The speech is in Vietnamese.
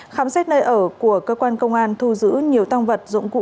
khám xét nơi ở của cơ quan công an thu giữ nhiều tăng vật dụng cụ